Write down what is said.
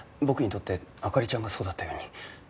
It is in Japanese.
僕にとって灯ちゃんがそうだったように。